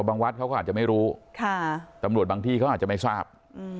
วัดเขาก็อาจจะไม่รู้ตำรวจบางที่เขาอาจจะไม่ทราบ